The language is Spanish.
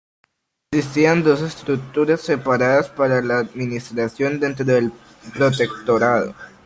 Existían dos estructuras separadas para la administración dentro del protectorado.